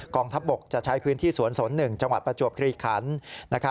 องทัพบกจะใช้พื้นที่สวนสน๑จังหวัดประจวบคลีคัน